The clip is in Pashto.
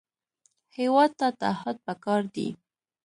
هېواد ته تعهد پکار دی